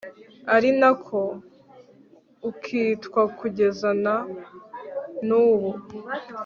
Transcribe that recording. ari na ko ukitwa kugeza na n'ubu